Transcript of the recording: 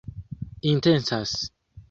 intencas